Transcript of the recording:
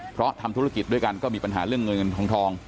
เพราะทำธุรกิจด้วยกันก็มีปัญหาเรื่องเงินเงินทอง